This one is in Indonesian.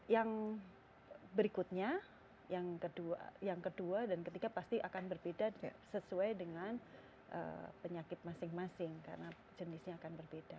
yang berikutnya yang kedua dan ketiga pasti akan berbeda sesuai dengan penyakit masing masing karena jenisnya akan berbeda